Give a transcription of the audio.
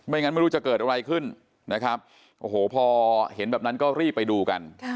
งั้นไม่รู้จะเกิดอะไรขึ้นนะครับโอ้โหพอเห็นแบบนั้นก็รีบไปดูกัน